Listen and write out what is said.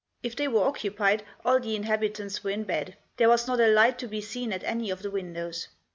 If they were occupied all the inhabitants were in bed. There was not a light to be seen at any of the windows.